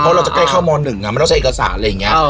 เพราะเราจะใกล้เข้าม๑มันต้องใช้เอกสารอะไรอย่างนี้